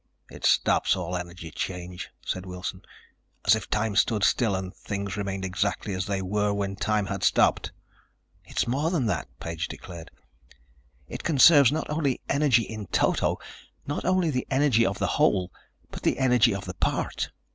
"It stops all energy change," said Wilson, "as if time stood still and things remained exactly as they were when time had stopped." "It's more than that," Page declared. "It conserves not only energy in toto, not only the energy of the whole, but the energy of the part.